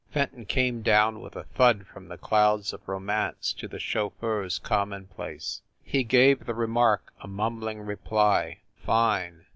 Fenton came down with a thud from the clouds of romance to the chauffeur s commonplace. He gave the remark a mumbling reply: "Fine!"